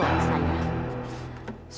tunggu saya semakin